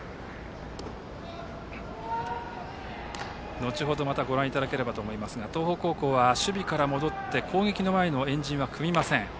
後程、またご覧いただければと思いますが東北高校は守備から戻って攻撃の前の円陣は組みません。